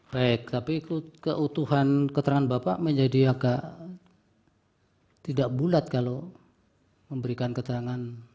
baik tapi keutuhan keterangan bapak menjadi agak tidak bulat kalau memberikan keterangan